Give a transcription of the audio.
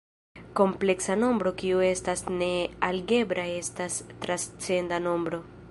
Kompleksa nombro kiu estas ne algebra estas transcenda nombro.